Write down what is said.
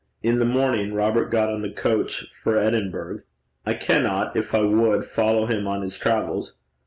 In the morning Robert got on the coach for Edinburgh. I cannot, if I would, follow him on his travels.